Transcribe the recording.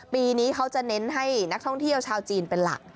ปีนี้เขาจะเน้นให้นักท่องเที่ยวชาวจีนเป็นหลัก